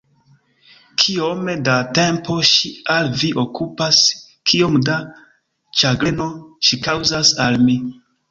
Kiom da tempo ŝi al vi okupas, kiom da ĉagreno ŝi kaŭzas al mi!